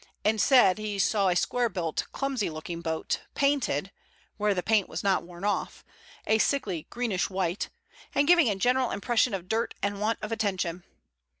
Instead he saw a square built, clumsy looking boat, painted, where the paint was not worn off, a sickly greenish white, and giving a general impression of dirt and want of attention.